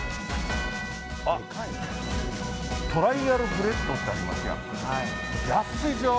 あっ、トライアルブレッドってありますやん。